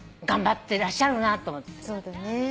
頑張ってらっしゃるなと思って。